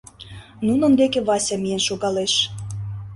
Нунын деке Вася миен шогалеш.